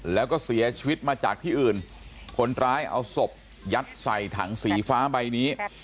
แล้วก็เสียชีวิตมาจากที่อื่นคนร้ายเอาศพยัดใส่ถังสีฟ้าใบนี้